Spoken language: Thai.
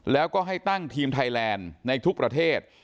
แล้วก็ให้ตั้งทีมไทยแลนด์ในทุกประเทศ